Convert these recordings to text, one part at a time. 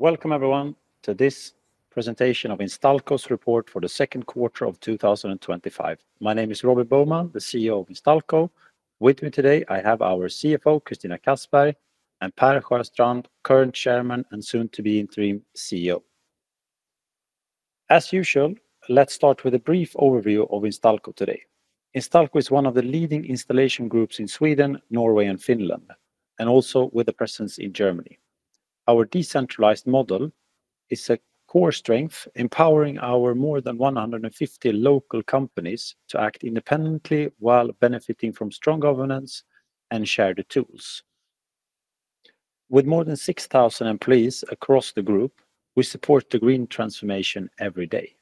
Welcome, everyone, to this presentation of Instalco's report for the second quarter of 2025. My name is Robin Boheman, the CEO of Instalco. With me today, I have our CFO, Christina Kassberg, and Per Sjöstrand, current Chairman and soon-to-be interim CEO. As usual, let's start with a brief overview of Instalco today. Instalco is one of the leading installation groups in Sweden, Norway, and Finland, and also with a presence in Germany. Our decentralized model is a core strength, empowering our more than 150 local companies to act independently while benefiting from strong governance and shared tools. With more than 6,000 employees across the group, we support the green transformation every day.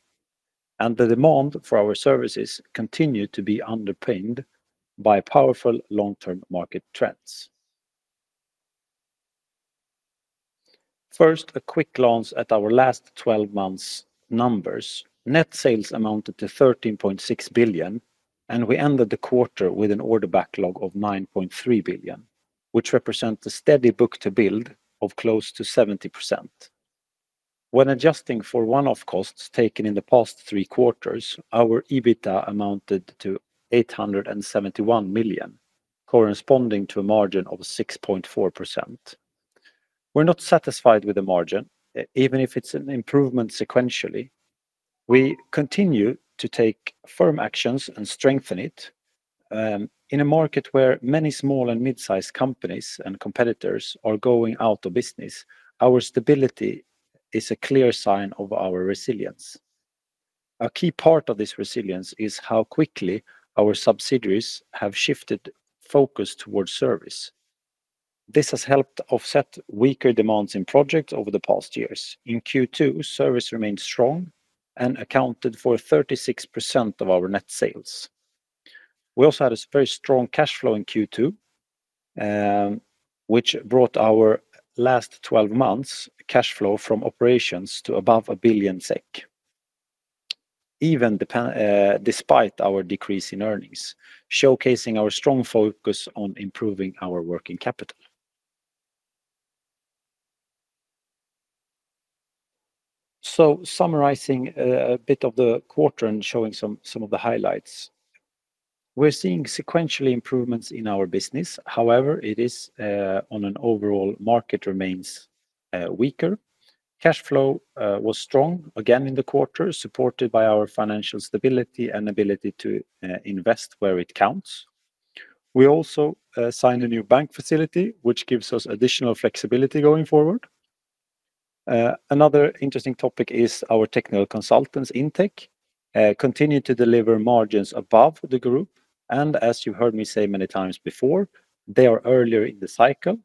The demand for our services continues to be underpinned by powerful long-term market trends. First, a quick glance at our last 12 months' numbers. Net sales amounted to 13.6 billion, and we ended the quarter with an order backlog of 9.3 billion, which represents a steady book-to-bill of close to 70%. When adjusting for one-off costs taken in the past three quarters, our adjusted EBITDA amounted to 871 million, corresponding to a margin of 6.4%. We're not satisfied with the margin, even if it's an improvement sequentially. We continue to take firm actions and strengthen it. In a market where many small and mid-sized companies and competitors are going out of business, our stability is a clear sign of our resilience. A key part of this resilience is how quickly our subsidiaries have shifted focus towards service. This has helped offset weaker demands in projects over the past years. In Q2, service remained strong and accounted for 36% of our net sales. We also had a very strong cash flow in Q2, which brought our last 12 months' cash flow from operations to above 1 billion SEK, even despite our decrease in earnings, showcasing our strong focus on improving our working capital. Summarizing a bit of the quarter and showing some of the highlights, we're seeing sequentially improvements in our business. However, it is on an overall market that remains weaker. Cash flow was strong again in the quarter, supported by our financial stability and ability to invest where it counts. We also signed a new credit facility, which gives us additional flexibility going forward. Another interesting topic is our technical consultants, Intech, continue to deliver margins above the group. As you've heard me say many times before, they are earlier in the cycle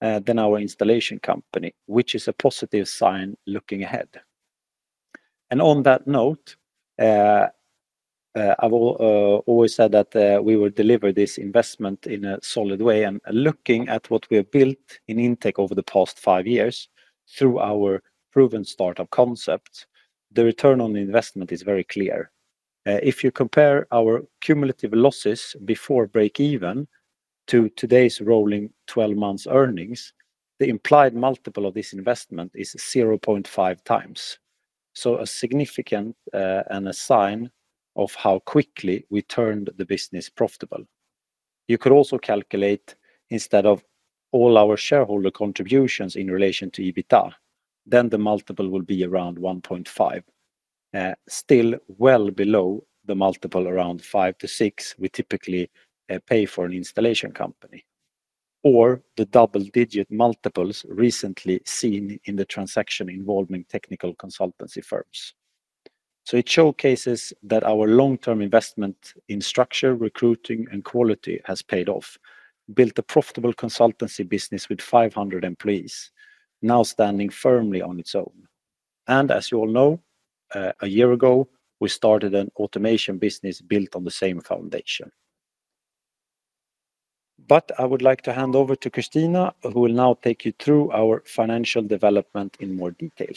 than our installation company, which is a positive sign looking ahead. On that note, I've always said that we will deliver this investment in a solid way. Looking at what we have built in Intech over the past five years through our proven startup concept, the return on investment is very clear. If you compare our cumulative losses before breakeven to today's rolling 12-month earnings, the implied multiple of this investment is 0.5x. This is a significant sign of how quickly we turned the business profitable. You could also calculate, instead of all our shareholder contributions in relation to EBITDA, then the multiple will be around 1.5x, still well below the multiple around 5x-6x we typically pay for an installation company, or the double-digit multiples recently seen in the transaction involving technical consulting firms. It showcases that our long-term investment in structure, recruiting, and quality has paid off. Built a profitable consultancy business with 500 employees, now standing firmly on its own. As you all know, a year ago, we started an automation business built on the same foundation. I would like to hand over to Christina, who will now take you through our financial development in more detail.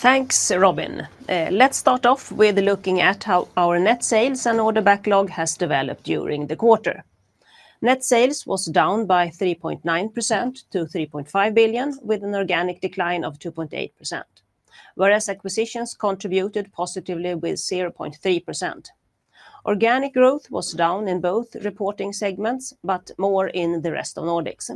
Thanks, Robin. Let's start off with looking at how our net sales and order backlog have developed during the quarter. Net sales were down by 3.9% to 3.5 billion, with an organic decline of 2.8%, whereas acquisitions contributed positively with 0.3%. Organic growth was down in both reporting segments, but more in the rest of Nordics.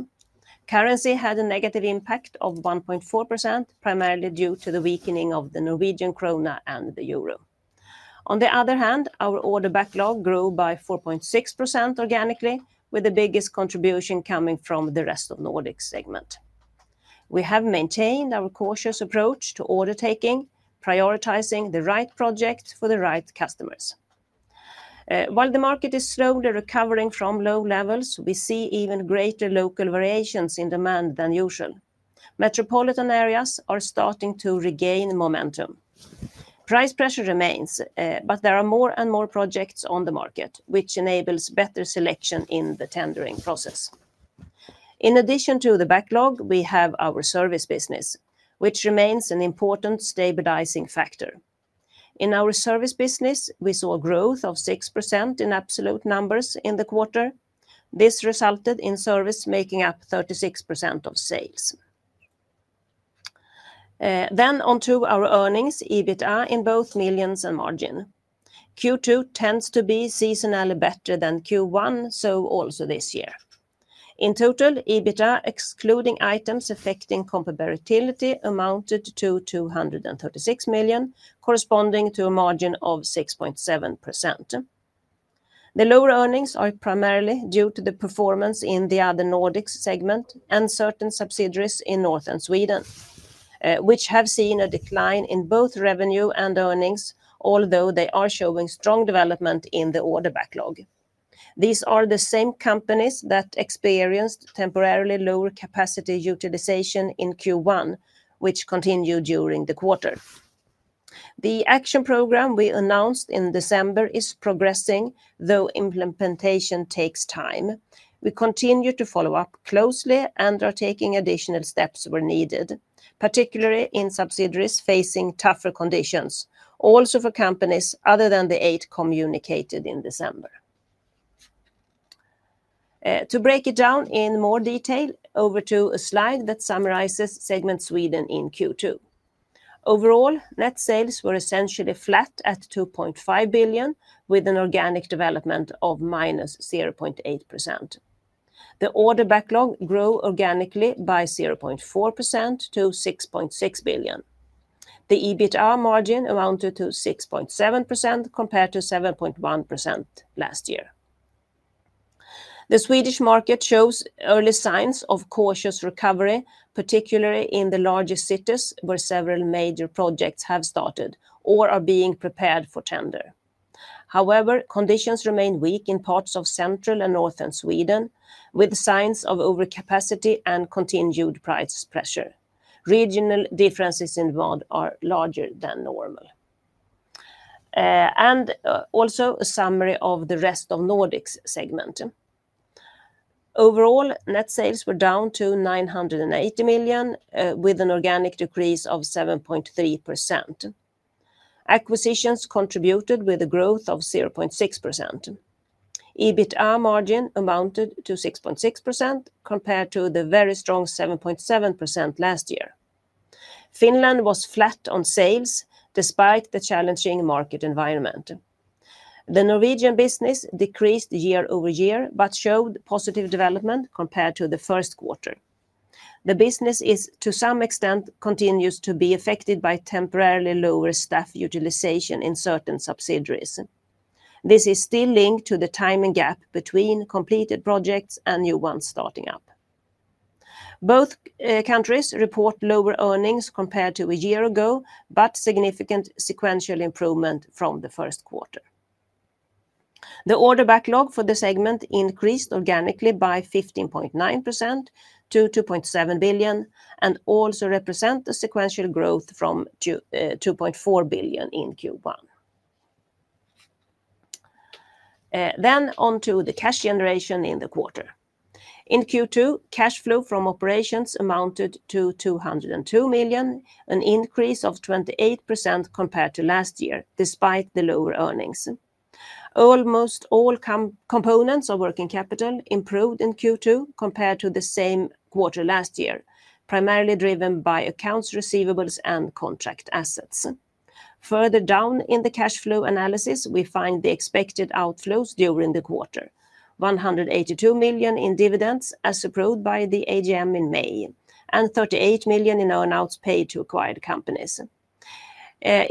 Currency had a negative impact of 1.4%, primarily due to the weakening of the Norwegian krona and the euro. On the other hand, our order backlog grew by 4.6% organically, with the biggest contribution coming from the rest of the Nordics segment. We have maintained our cautious approach to order taking, prioritizing the right projects for the right customers. While the market is slowly recovering from low levels, we see even greater local variations in demand than usual. Metropolitan areas are starting to regain momentum. Price pressure remains, but there are more and more projects on the market, which enables better selection in the tendering process. In addition to the backlog, we have our service business, which remains an important stabilizing factor. In our service business, we saw growth of 6% in absolute numbers in the quarter. This resulted in service making up 36% of sales. Onto our earnings, EBITDA in both millions and margin. Q2 tends to be seasonally better than Q1, so also this year. In total, EBITDA, excluding items affecting comparability, amounted to 236 million, corresponding to a margin of 6.7%. The lower earnings are primarily due to the performance in the other Nordics segment and certain subsidiaries in Northern Sweden, which have seen a decline in both revenue and earnings, although they are showing strong development in the order backlog. These are the same companies that experienced temporarily lower capacity utilization in Q1, which continued during the quarter. The action program we announced in December is progressing, though implementation takes time. We continue to follow up closely and are taking additional steps where needed, particularly in subsidiaries facing tougher conditions, also for companies other than the eight communicated in December. To break it down in more detail, over to a slide that summarizes segment Sweden in Q2. Overall, net sales were essentially flat at 2.5 billion, with an organic development of minus 0.8%. The order backlog grew organically by 0.4% to 6.6 billion. The EBITDA margin amounted to 6.7% compared to 7.1% last year. The Swedish market shows early signs of cautious recovery, particularly in the largest cities where several major projects have started or are being prepared for tender. However, conditions remain weak in parts of central and Northern Sweden, with signs of overcapacity and continued price pressure. Regional differences in demand are larger than normal. A summary of the rest of the Nordics segment: overall, net sales were down to 980 million, with an organic decrease of 7.3%. Acquisitions contributed with a growth of 0.6%. EBITDA margin amounted to 6.6% compared to the very strong 7.7% last year. Finland was flat on sales, despite the challenging market environment. The Norwegian business decreased year over year, but showed positive development compared to the first quarter. The business, to some extent, continues to be affected by temporarily lower staff utilization in certain subsidiaries. This is still linked to the timing gap between completed projects and new ones starting up. Both countries report lower earnings compared to a year ago, but significant sequential improvement from the first quarter. The order backlog for the segment increased organically by 15.9% to 2.7 billion, and also represents a sequential growth from 2.4 billion in Q1. Onto the cash generation in the quarter. In Q2, cash flow from operations amounted to 202 million, an increase of 28% compared to last year, despite the lower earnings. Almost all components of working capital improved in Q2 compared to the same quarter last year, primarily driven by accounts receivables and contract assets. Further down in the cash flow analysis, we find the expected outflows during the quarter: 182 million in dividends as approved by the AGM in May, and 38 million in earnouts paid to acquired companies.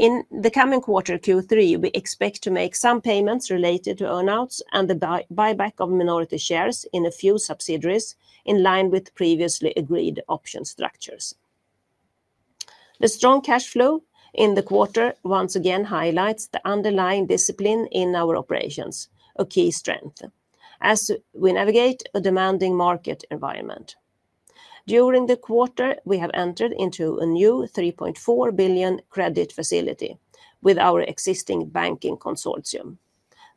In the coming quarter Q3, we expect to make some payments related to earnouts and the buyback of minority shares in a few subsidiaries in line with previously agreed option structures. The strong cash flow in the quarter once again highlights the underlying discipline in our operations, a key strength, as we navigate a demanding market environment. During the quarter, we have entered into a new 3.4 billion credit facility with our existing banking consortium.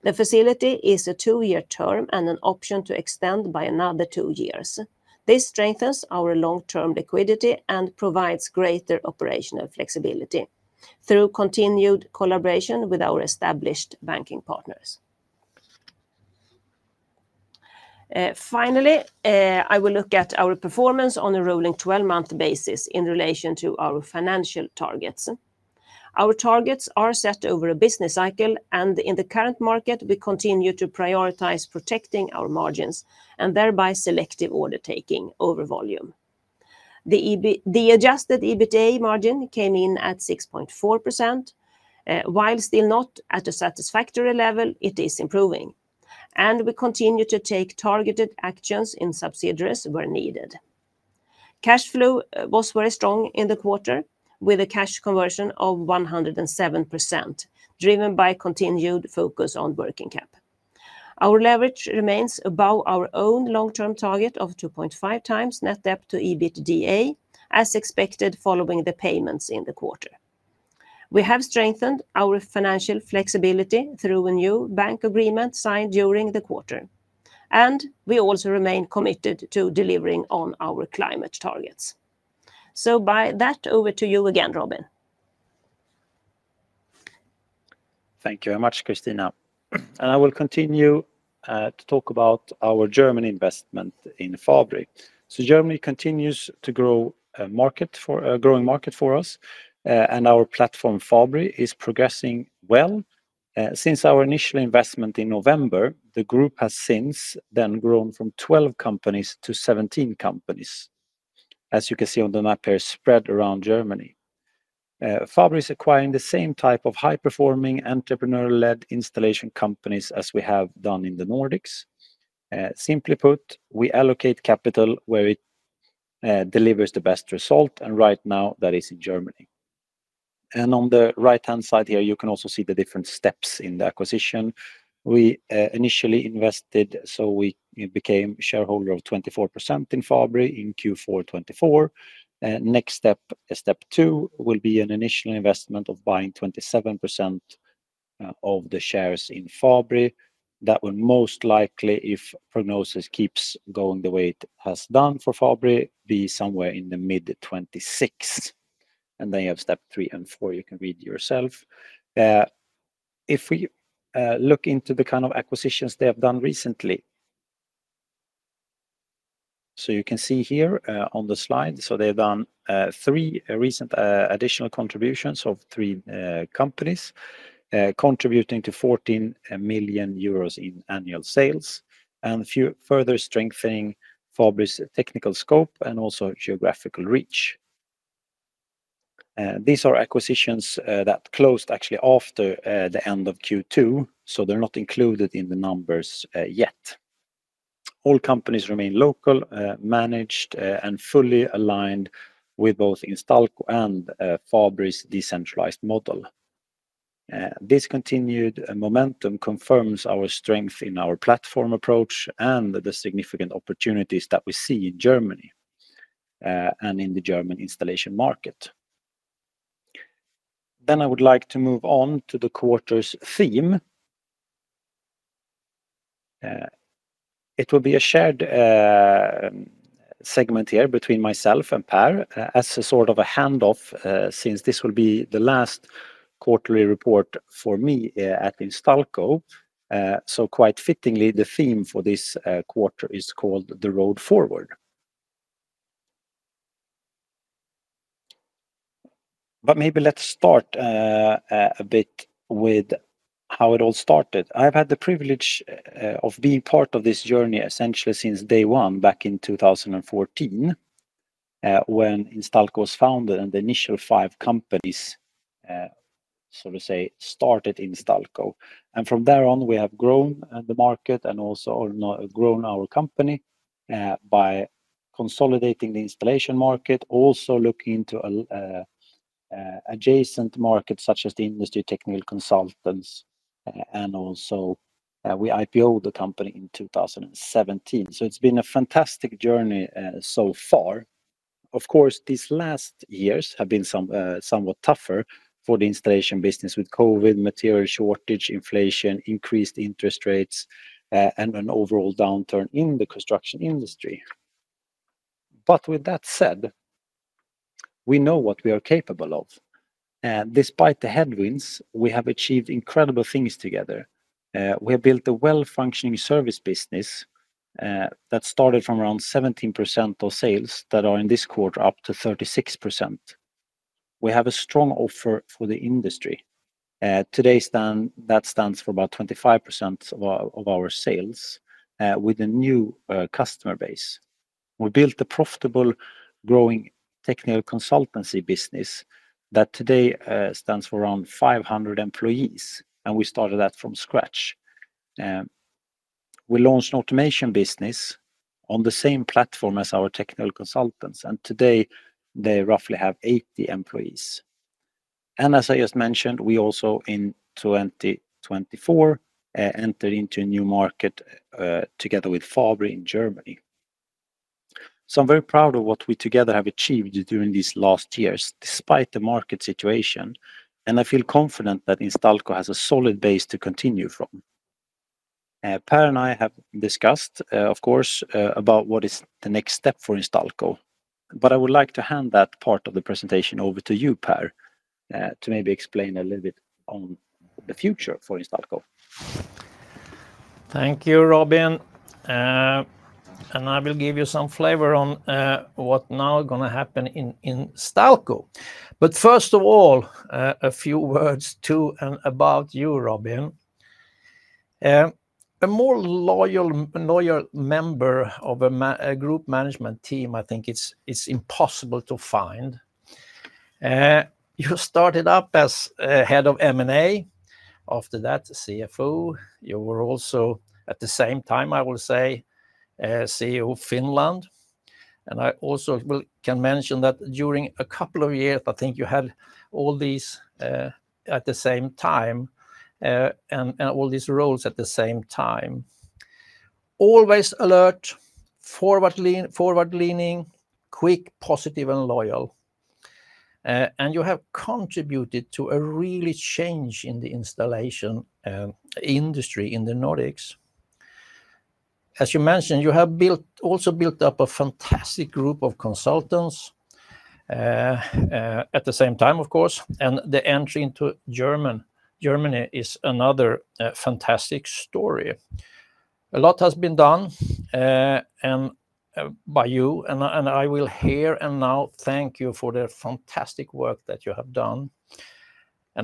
The facility is a two-year term and an option to extend by another two years. This strengthens our long-term liquidity and provides greater operational flexibility through continued collaboration with our established banking partners. Finally, I will look at our performance on a rolling 12-month basis in relation to our financial targets. Our targets are set over a business cycle, and in the current market, we continue to prioritize protecting our margins and thereby selective order taking over volume. The adjusted EBITDA margin came in at 6.4%. While still not at a satisfactory level, it is improving, and we continue to take targeted actions in subsidiaries where needed. Cash flow was very strong in the quarter, with a cash conversion of 107%, driven by continued focus on working cap. Our leverage remains above our own long-term target of 2.5x net debt to EBITDA, as expected following the payments in the quarter. We have strengthened our financial flexibility through a new bank agreement signed during the quarter, and we also remain committed to delivering on our climate targets. By that, over to you again, Robin. Thank you very much, Christina. I will continue to talk about our German investment in Fabbri. Germany continues to grow, a growing market for us, and our platform, Fabbri, is progressing well. Since our initial investment in November, the group has since then grown from 12 companies to 17 companies, as you can see on the map here spread around Germany. Fabbri is acquiring the same type of high-performing entrepreneur-led installation companies as we have done in the Nordics. Simply put, we allocate capital where it delivers the best result, and right now that is in Germany. On the right-hand side here, you can also see the different steps in the acquisition. We initially invested, so we became a shareholder of 24% in Fabbri in Q4 2024. The next step, step two, will be an initial investment of buying 27% of the shares in Fabbri. That would most likely, if the prognosis keeps going the way it has done for Fabbri, be somewhere in the mid-2026s. You have step three and four, you can read yourself. If we look into the kind of acquisitions they have done recently, you can see here on the slide, they have done three recent additional contributions of three companies, contributing to €14 million in annual sales and further strengthening Fabbri's technical scope and also geographical reach. These are acquisitions that closed actually after the end of Q2, so they're not included in the numbers yet. All companies remain local, managed, and fully aligned with both Instalco and Fabbri's decentralized model. This continued momentum confirms our strength in our platform approach and the significant opportunities that we see in Germany and in the German installation market. I would like to move on to the quarter's theme. It will be a shared segment here between myself and Per as a sort of a handoff since this will be the last quarterly report for me at Instalco. Quite fittingly, the theme for this quarter is called The Road Forward. Maybe let's start a bit with how it all started. I've had the privilege of being part of this journey essentially since day one back in 2014, when Instalco was founded and the initial five companies, so to say, started Instalco. From there on, we have grown the market and also grown our company by consolidating the installation market, also looking into adjacent markets such as the industry technical consultants, and also we IPO'd the company in 2017. It's been a fantastic journey so far. Of course, these last years have been somewhat tougher for the installation business with COVID, material shortage, inflation, increased interest rates, and an overall downturn in the construction industry. With that said, we know what we are capable of. Despite the headwinds, we have achieved incredible things together. We have built a well-functioning service business that started from around 17% of sales that are in this quarter up to 36%. We have a strong offer for the industry. Today, that stands for about 25% of our sales with a new customer base. We built a profitable, growing technical consulting business that today stands for around 500 employees, and we started that from scratch. We launched an automation business on the same platform as our technical consultants, and today they roughly have 80 employees. As I just mentioned, we also in 2024 entered into a new market together with Fabbri in Germany. I'm very proud of what we together have achieved during these last years, despite the market situation, and I feel confident that Instalco has a solid base to continue from. Per and I have discussed, of course, about what is the next step for Instalco, but I would like to hand that part of the presentation over to you, Per, to maybe explain a little bit on the future for Instalco. Thank you, Robin. I will give you some flavor on what's now going to happen in Instalco. First of all, a few words to and about you, Robin. A more loyal member of a group management team, I think it's impossible to find. You started up as Head of M&A. After that, CFO. You were also, at the same time, I will say, CEO of Finland. I also can mention that during a couple of years, I think you had all these at the same time and all these roles at the same time. Always alert, forward-leaning, quick, positive, and loyal. You have contributed to a really change in the installation industry in the Nordics. As you mentioned, you have also built up a fantastic group of consultants at the same time, of course, and the entry into Germany is another fantastic story. A lot has been done by you, and I will here and now thank you for the fantastic work that you have done.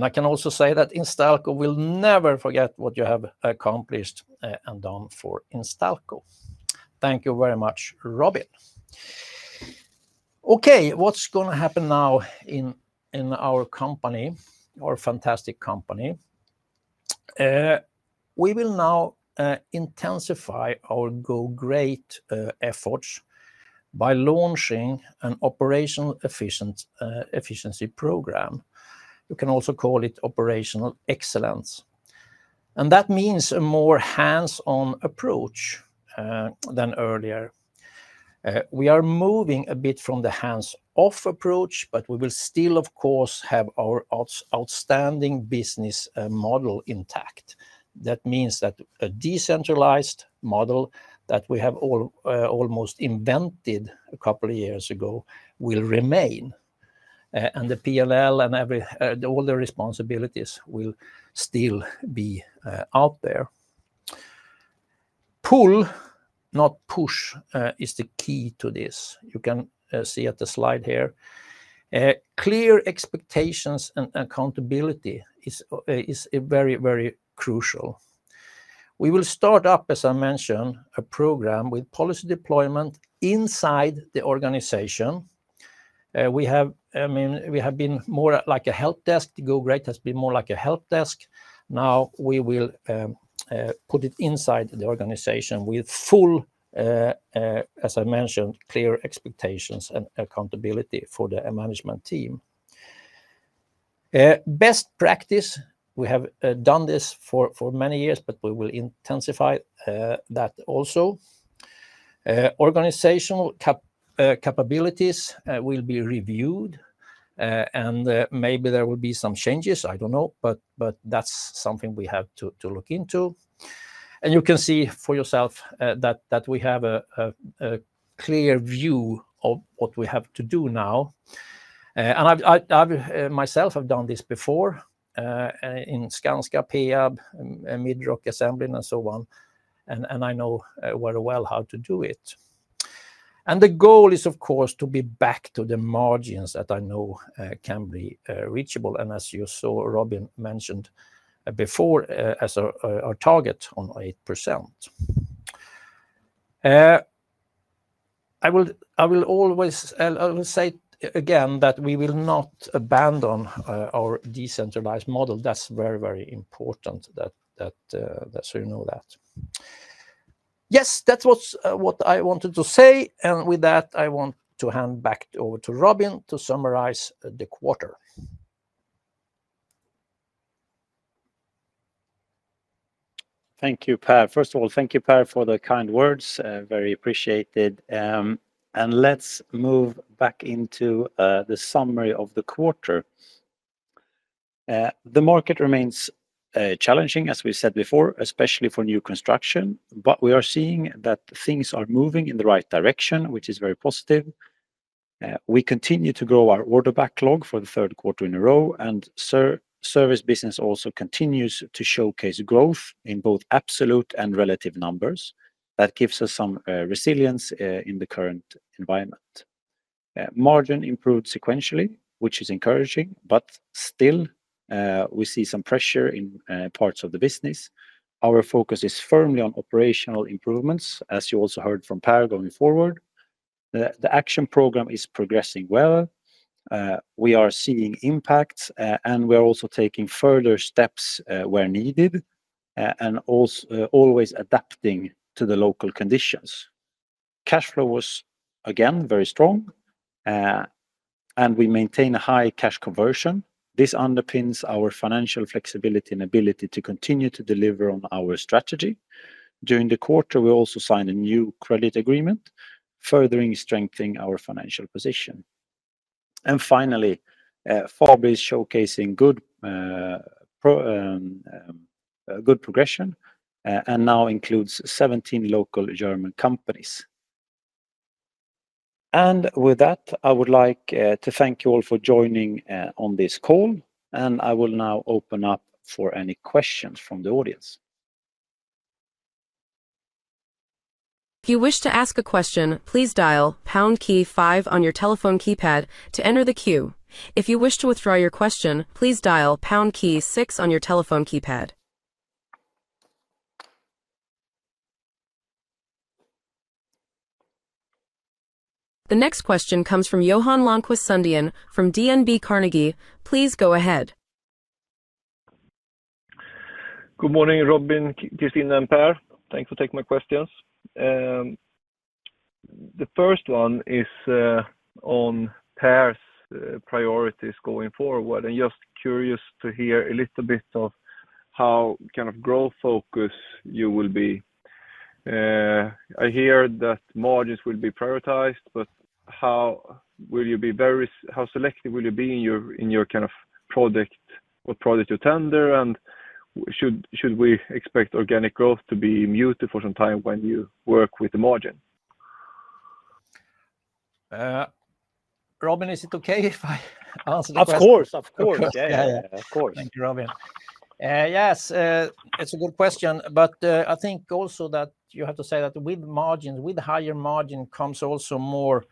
I can also say that Instalco will never forget what you have accomplished and done for Instalco. Thank you very much, Robin. Okay, what's going to happen now in our company, our fantastic company? We will now intensify our GoGr8 efforts by launching an operational efficiency program. You can also call it operational excellence. That means a more hands-on approach than earlier. We are moving a bit from the hands-off approach, but we will still, of course, have our outstanding business model intact. That means that a decentralized model that we have almost invented a couple of years ago will remain. The P&L and all the responsibilities will still be out there. Pull, not push, is the key to this. You can see at the slide here. Clear expectations and accountability are very, very crucial. We will start up, as I mentioned, a program with policy deployment inside the organization. We have been more like a help desk. The GoGr8 has been more like a help desk. Now we will put it inside the organization with full, as I mentioned, clear expectations and accountability for the management team. Best practice, we have done this for many years, but we will intensify that also. Organizational capabilities will be reviewed, and maybe there will be some changes, I don't know, but that's something we have to look into. You can see for yourself that we have a clear view of what we have to do now. I myself have done this before in Skanska, Peab, and Midrock Assembly, and so on. I know very well how to do it. The goal is, of course, to be back to the margins that I know can be reachable. As you saw, Robin mentioned before, as our target on 8%. I will always say again that we will not abandon our decentralized model. That's very, very important that you know that. Yes, that's what I wanted to say. With that, I want to hand back over to Robin to summarize the quarter. Thank you, Per. First of all, thank you, Per, for the kind words. Very appreciated. Let's move back into the summary of the quarter. The market remains challenging, as we said before, especially for new construction. We are seeing that things are moving in the right direction, which is very positive. We continue to grow our order backlog for the third quarter in a row, and service business also continues to showcase growth in both absolute and relative numbers. That gives us some resilience in the current environment. Margin improved sequentially, which is encouraging, but still, we see some pressure in parts of the business. Our focus is firmly on operational improvements, as you also heard from Per going forward. The action program is progressing well. We are seeing impacts, and we're also taking further steps where needed, and also always adapting to the local conditions. Cash flow was again very strong, and we maintain a high cash conversion. This underpins our financial flexibility and ability to continue to deliver on our strategy. During the quarter, we also signed a new credit facility, further strengthening our financial position. Finally, Fabbri is showcasing good progression and now includes 17 local German companies. With that, I would like to thank you all for joining on this call, and I will now open up for any questions from the audience. If you wish to ask a question, please dial pound Key five on your telephone keypad to enter the queue. If you wish to withdraw your question, please dial pound Key six on your telephone keypad. The next question comes from Johan Lankvist Sundén from DNB Carnegie. Please go ahead. Good morning, Robin, Christina, and Per. Thanks for taking my questions. The first one is on Per's priorities going forward, and just curious to hear a little bit of how kind of growth focused you will be. I hear that margins will be prioritized, but how will you be very, how selective will you be in your kind of project or project you tender, and should we expect organic growth to be muted for some time when you work with the margin? Robin, is it okay if I answer the question? Of course, of course. Yeah, yeah, of course. Thank you, Robin.Yes, it's a good question, but I think also that you have to say that with margins, with higher margin comes also more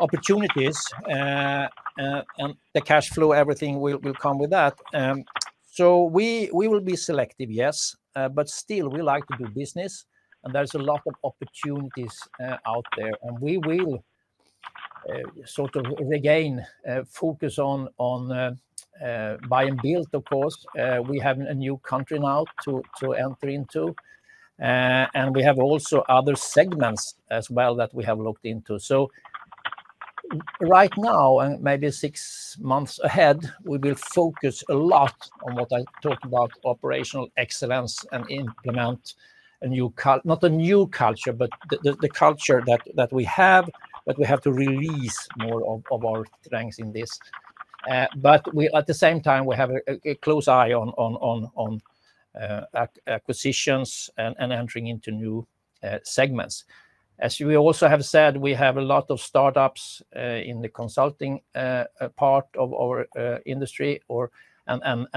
opportunities, and the cash flow, everything will come with that. We will be selective, yes, but still we like to do business, and there's a lot of opportunities out there, and we will sort of regain focus on buy and build, of course. We have a new country now to enter into, and we have also other segments as well that we have looked into. Right now, and maybe six months ahead, we will focus a lot on what I talked about, operational excellence, and implement a new, not a new culture, but the culture that we have, but we have to release more of our strengths in this. At the same time, we have a close eye on acquisitions and entering into new segments. As we also have said, we have a lot of startups in the consulting part of our industry, and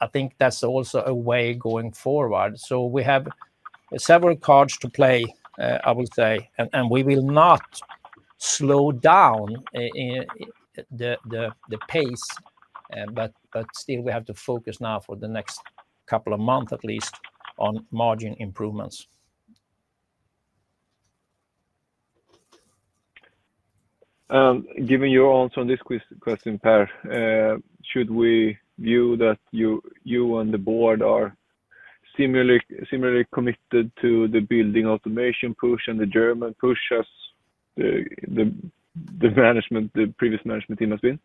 I think that's also a way going forward. We have several cards to play, I will say, and we will not slow down the pace, but still we have to focus now for the next couple of months at least on margin improvements. Given your answer on this question, Per, should we view that you and the Board are similarly committed to the building automation push and the German push as the management, the previous management team has been?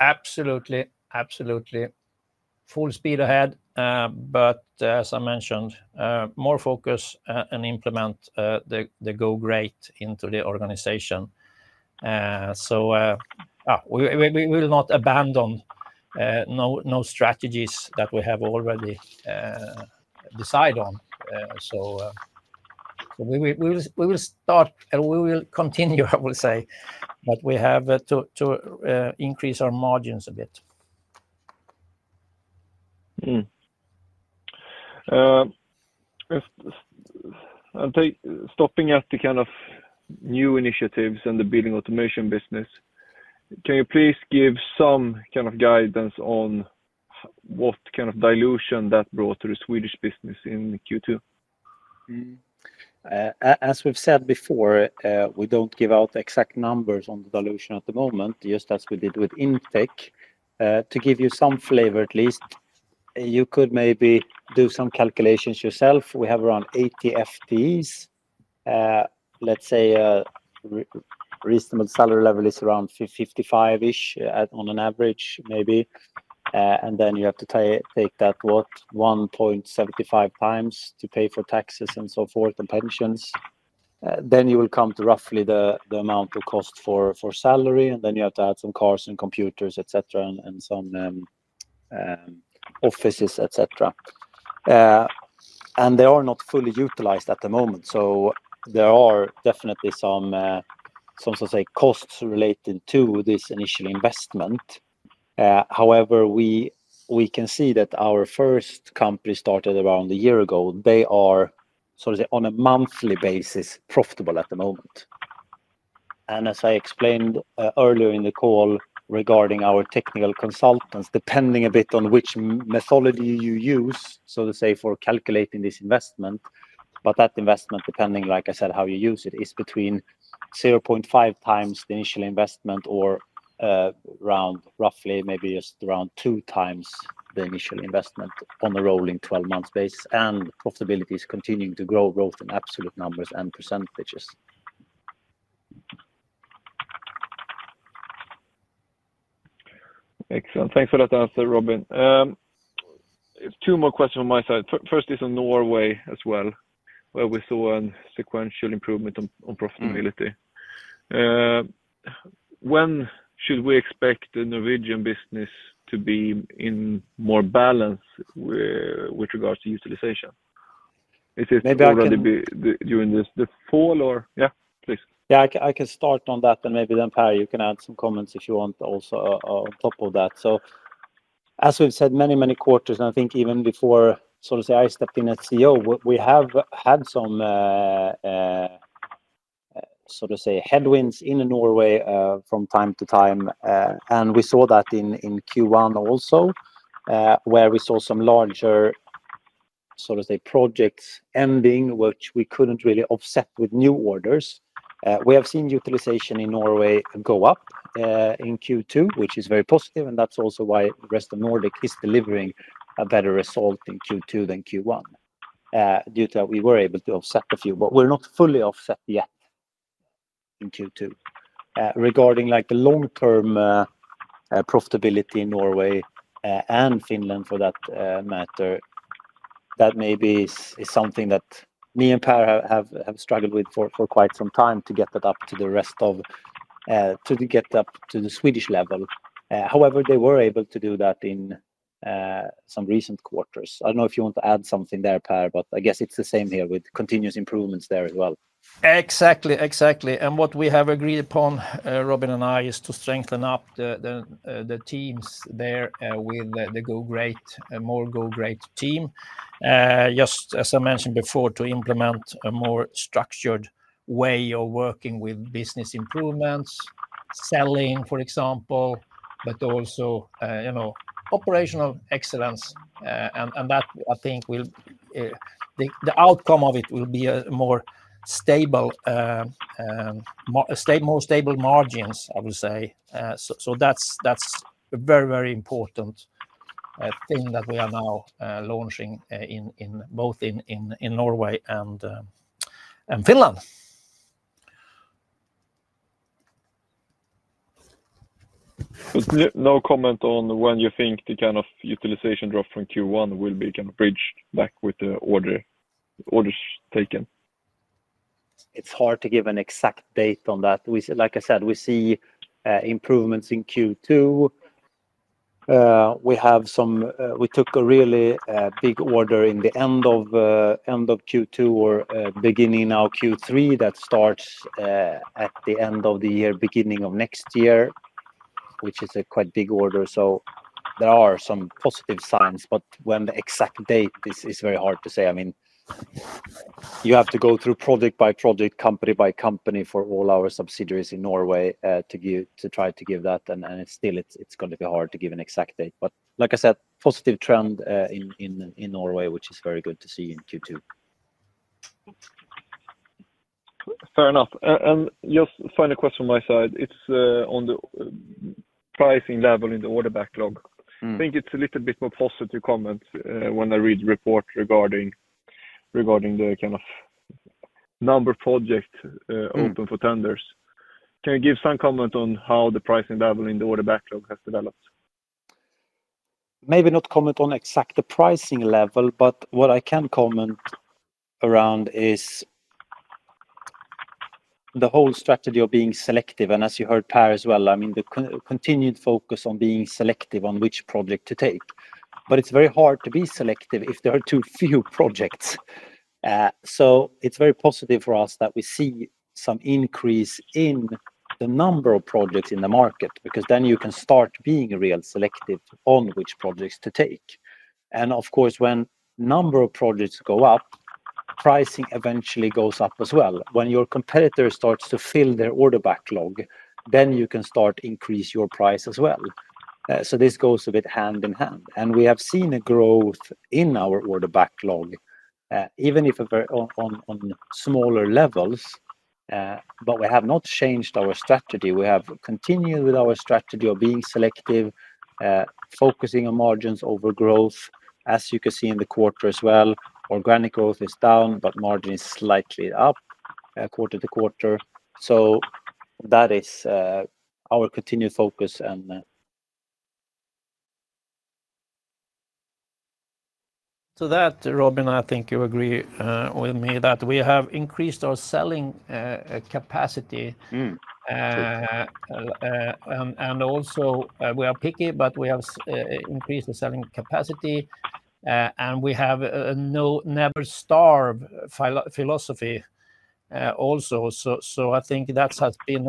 Absolutely, absolutely. Full speed ahead, as I mentioned, more focus and implement the GoGr8 into the organization. We will not abandon any strategies that we have already decided on. We will start, and we will continue, I will say, but we have to increase our margins a bit. Stopping at the kind of new initiatives and the building automation business, can you please give some kind of guidance on what kind of dilution that brought to the Swedish business in Q2? As we've said before, we don't give out exact numbers on the dilution at the moment, just as we did with Intech. To give you some flavor at least, you could maybe do some calculations yourself. We have around 80 FTEs. Let's say a reasonable salary level is around 55-ish on an average maybe. You have to take that, what, 1.7x to pay for taxes and so forth and pensions. You will come to roughly the amount of cost for salary, and then you have to add some cars and computers, etc., and some offices, etc. They are not fully utilized at the moment. There are definitely some, so to say, costs related to this initial investment. However, we can see that our first company started around a year ago. They are, so to say, on a monthly basis, profitable at the moment. As I explained earlier in the call regarding our technical consultants, depending a bit on which methodology you use, so to say, for calculating this investment. That investment, depending, like I said, how you use it, is between 0.5x the initial investment or around roughly maybe just around 2x the initial investment on a rolling 12-month basis. Profitability is continuing to grow, both in absolute numbers and percentages. Excellent. Thanks for that answer, Robin. Two more questions from my side. First is on Norway as well, where we saw a sequential improvement on profitability. When should we expect the Norwegian business to be in more balance with regards to utilization? Is this already during the fall or, yeah, please? Yeah, I can start on that, and maybe then, Per, you can add some comments if you want also on top of that. As we've said, many, many quarters, and I think even before, I stepped in as CEO, we have had some headwinds in Norway from time to time. We saw that in Q1 also, where we saw some larger projects ending, which we couldn't really offset with new orders. We have seen utilization in Norway go up in Q2, which is very positive, and that's also why the rest of Nordic is delivering a better result in Q2 than Q1. Due to that, we were able to offset a few, but we're not fully offset yet in Q2. Regarding the long-term profitability in Norway and Finland, for that matter, that maybe is something that me and Per have struggled with for quite some time to get that up to the rest of, to get up to the Swedish level. However, they were able to do that in some recent quarters. I don't know if you want to add something there, Per, but I guess it's the same here with continuous improvements there as well. Exactly. What we have agreed upon, Robin and I, is to strengthen up the teams there with the GoGr8, a more GoGr8 team. Just as I mentioned before, to implement a more structured way of working with business improvements, selling, for example, but also, you know, operational excellence. I think the outcome of it will be more stable, more stable margins, I will say. That's a very, very important thing that we are now launching in both Norway and Finland. No comment on when you think the kind of utilization drop from Q1 will be kind of bridged back with the orders taken? It's hard to give an exact date on that. Like I said, we see improvements in Q2. We took a really big order in the end of Q2 or beginning now Q3 that starts at the end of the year, beginning of next year, which is a quite big order. There are some positive signs, but when the exact date is very hard to say. You have to go through project by project, company by company for all our subsidiaries in Norway to try to give that, and still it's going to be hard to give an exact date. Like I said, positive trend in Norway, which is very good to see in Q2. Fair enough. Just a final question from my side. It's on the pricing level in the order backlog. I think it's a little bit more positive comment when I read the report regarding the kind of number of projects open for tenders. Can you give some comment on how the pricing level in the order backlog has developed? Maybe not comment on exactly the pricing level, but what I can comment around is the whole strategy of being selective. As you heard, Per, as well, the continued focus on being selective on which project to take. It's very hard to be selective if there are too few projects. It is very positive for us that we see some increase in the number of projects in the market because then you can start being real selective on which projects to take. Of course, when the number of projects goes up, pricing eventually goes up as well. When your competitor starts to fill their order backlog, you can start to increase your price as well. This goes a bit hand in hand. We have seen a growth in our order backlog, even if on smaller levels, but we have not changed our strategy. We have continued with our strategy of being selective, focusing on margins over growth. As you can see in the quarter as well, organic growth is down, but margin is slightly up quarter to quarter. That is our continued focus. To that, Robin, I think you agree with me that we have increased our selling capacity. We are picky, but we have increased the selling capacity. We have a never starve philosophy also. I think that has been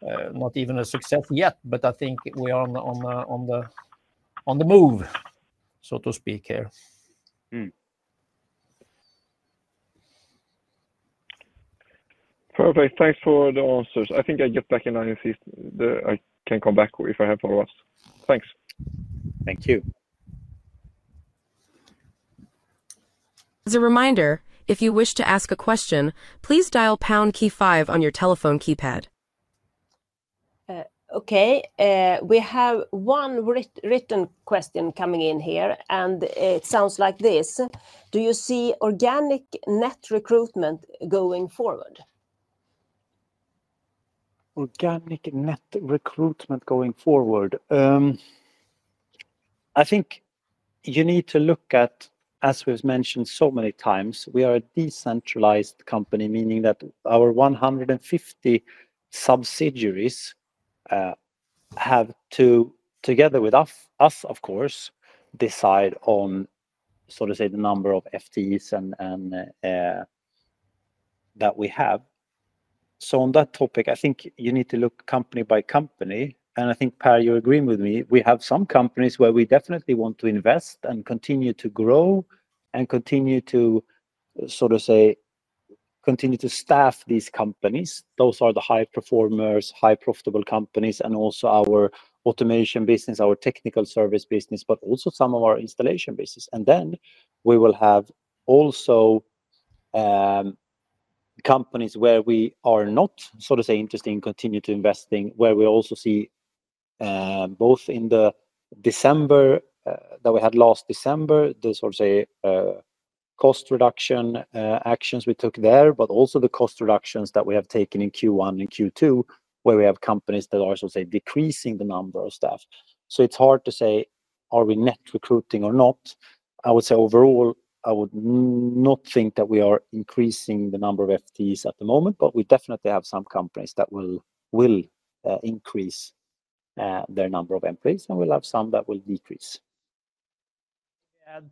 not even a success yet, but I think we are on the move, so to speak here. Perfect. Thanks for the answers. I think I get back in line if I can come back if I have one last. Thanks. Thank you. As a reminder, if you wish to ask a question, please dial the pound Key, five on your telephone keypad. Okay. We have one written question coming in here, and it sounds like this: Do you see organic net recruitment going forward? Organic net recruitment going forward. I think you need to look at, as we've mentioned so many times, we are a decentralized company, meaning that our 150 subsidiaries have to, together with us, of course, decide on, so to say, the number of FTEs that we have. On that topic, I think you need to look company by company. I think, Per, you're agreeing with me. We have some companies where we definitely want to invest and continue to grow and continue to, so to say, continue to staff these companies. Those are the high performers, high profitable companies, and also our automation business, our technical service business, but also some of our installation business. We will have also companies where we are not, so to say, interested in continuing to invest in, where we also see both in the December that we had last December, the sort of cost reduction actions we took there, but also the cost reductions that we have taken in Q1 and Q2, where we have companies that are, so to say, decreasing the number of staff. It's hard to say, are we net recruiting or not? I would say overall, I would not think that we are increasing the number of FTEs at the moment, but we definitely have some companies that will increase their number of employees, and we'll have some that will decrease.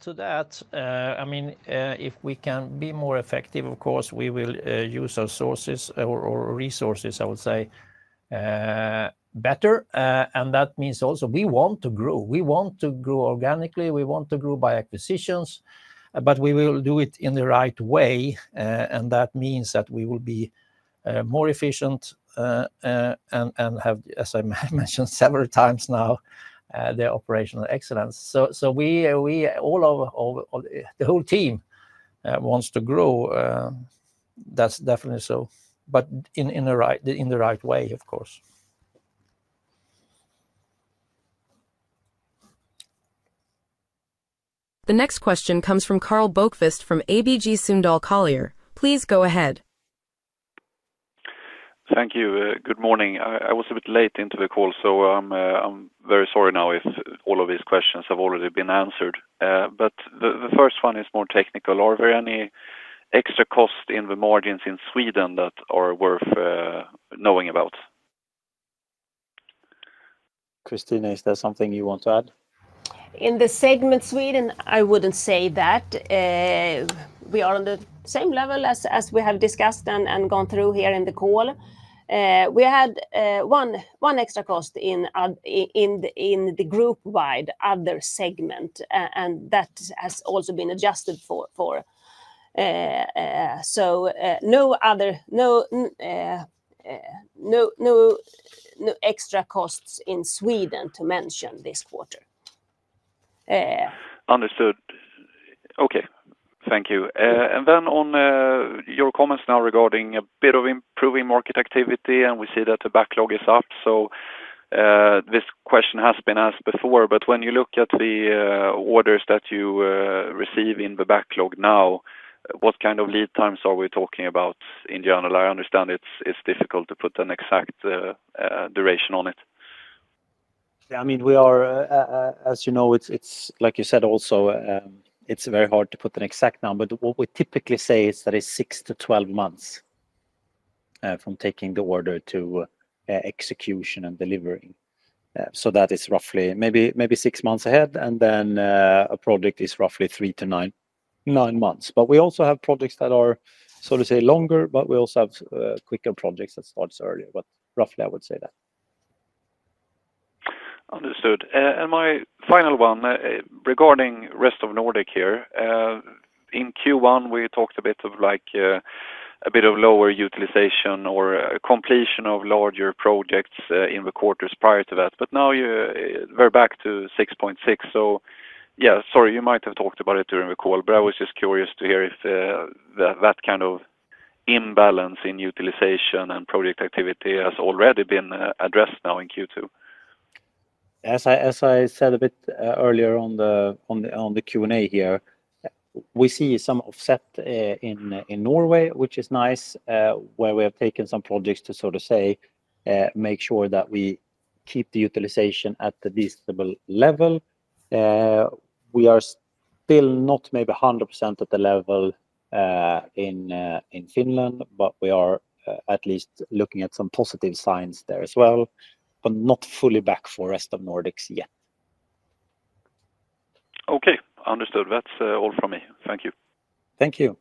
If we can be more effective, of course, we will use our resources better. That means also we want to grow. We want to grow organically. We want to grow by acquisitions, but we will do it in the right way. That means that we will be more efficient and have, as I mentioned several times now, the operational excellence. All of the whole team wants to grow. That's definitely so, but in the right way, of course. The next question comes from Karl Bokvist from ABG Sundal Collier. Please go ahead. Thank you. Good morning. I was a bit late into the call, so I'm very sorry if all of these questions have already been answered. The first one is more technical. Are there any extra costs in the margins in Sweden that are worth knowing about? Christina, is that something you want to add? In the segment Sweden, I wouldn't say that. We are on the same level as we have discussed and gone through here in the call. We had one extra cost in the group-wide other segment, and that has also been adjusted for. No extra costs in Sweden to mention this quarter. Understood. Okay. Thank you. On your comments now regarding a bit of improving market activity, we see that the backlog is up. This question has been asked before, but when you look at the orders that you receive in the backlog now, what kind of lead times are we talking about in general? I understand it's difficult to put an exact duration on it. Yeah, I mean, we are, as you know, it's like you said also, it's very hard to put an exact number, but what we typically say is that it's 6-12 months from taking the order to execution and delivering. That is roughly maybe six months ahead, and then a project is roughly three to nine months. We also have projects that are, so to say, longer, and we also have quicker projects that start earlier, but roughly, I would say that. Understood. My final one regarding the rest of Nordic here. In Q1, we talked a bit of like a bit of lower utilization or completion of larger projects in the quarters prior to that, but now we're back to 6.6. Sorry, you might have talked about it during the call, but I was just curious to hear if that kind of imbalance in utilization and project activity has already been addressed now in Q2. As I said a bit earlier on the Q&A here, we see some offset in Norway, which is nice, where we have taken some projects to sort of say make sure that we keep the utilization at a decent level. We are still not maybe 100% at the level in Finland, but we are at least looking at some positive signs there as well, but not fully back for the rest of Nordic yet. Okay. Understood. That's all from me. Thank you. Thank you.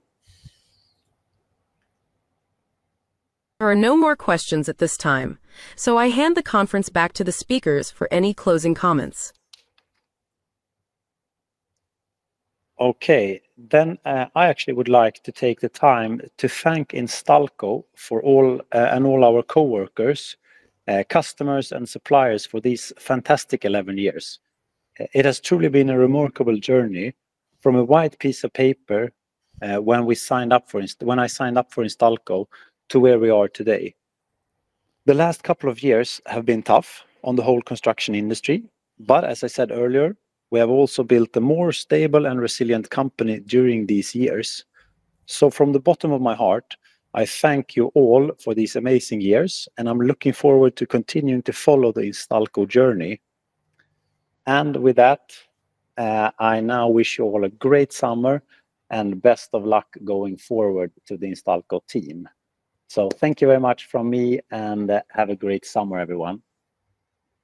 There are no more questions at this time. I hand the conference back to the speakers for any closing comments. Okay. I actually would like to take the time to thank Instalco for all and all our coworkers, customers, and suppliers for these fantastic 11 years. It has truly been a remarkable journey from a white piece of paper when I signed up for Instalco to where we are today. The last couple of years have been tough on the whole construction industry, but as I said earlier, we have also built a more stable and resilient company during these years. From the bottom of my heart, I thank you all for these amazing years, and I'm looking forward to continuing to follow the Instalco journey. I now wish you all a great summer and best of luck going forward to the Instalco team. Thank you very much from me and have a great summer, everyone.